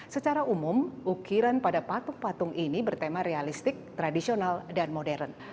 secara umum ukiran pada patung patung ini bertema realistik tradisional dan modern